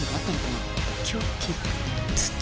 凶器が土。